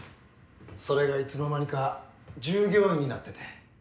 それがいつの間にか従業員になってて。